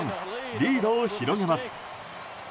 リードを広げます。